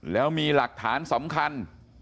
แล้วมีหลักฐานสำคัญ